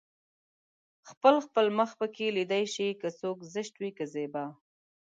خپل خپل مخ پکې ليده شي که څوک زشت وي که زيبا